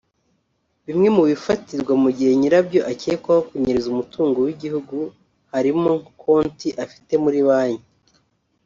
bimwe mu bifatirwa mu gihe nyirabyo akekwaho kunyereza umutungo w’igihugu harimo konti afite muri banki